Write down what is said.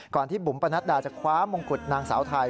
ก่อนที่บุ๋มประนัดดาจักรคว้ามงคุดนางสาวไทย